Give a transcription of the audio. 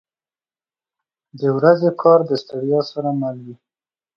• د ورځې کار د ستړیا سره مل دی.